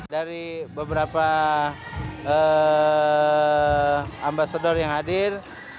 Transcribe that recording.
dari beberapa ambasador yang hadir